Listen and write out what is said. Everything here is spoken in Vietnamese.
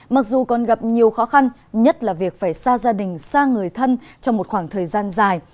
mặc dù còn gặp nhiều khó khăn nhất là việc phải xa gia đình xa người thân trong một khoảng thời gian dài